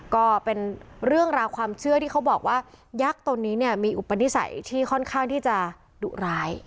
ก็เป็นเรื่องราวความเชื่อที่เขาบอกว่ายักษ์ตัวนี้เนี่ยมีอุปนิสัยที่ค่อนข้างที่จะดุร้าย